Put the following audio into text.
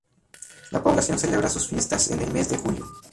La población celebra sus fiestas en el mes de julio.